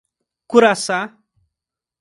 Curaçá